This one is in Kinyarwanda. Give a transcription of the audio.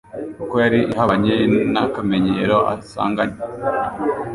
kuko yari ihabanye n'akamenyero asanganywe.